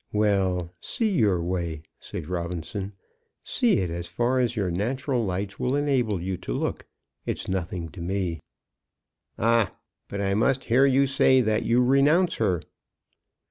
"Well; see your way," said Robinson. "See it as far as your natural lights will enable you to look. It's nothing to me." "Ah, but I must hear you say that you renounce her."